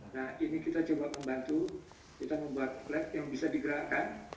nah ini kita coba membantu kita membuat lab yang bisa digerakkan